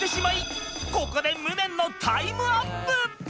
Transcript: ここで無念のタイムアップ！